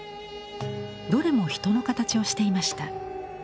どれも人の形をしていました。